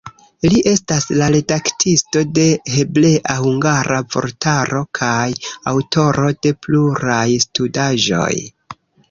Li estas la redaktisto de hebrea-hungara vortaro kaj aŭtoro de pluraj studaĵoj.